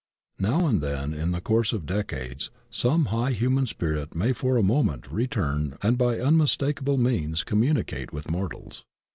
Now and then in the course of decades some high human spirit may for a moment return and by unmistakable means communicate with mortals.